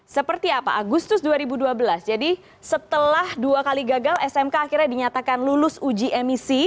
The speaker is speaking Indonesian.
seperti apa agustus dua ribu dua belas jadi setelah dua kali gagal smk akhirnya dinyatakan lulus uji emisi